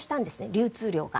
流通量が。